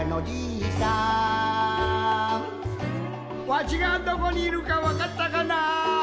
わしがどこにいるかわかったかな？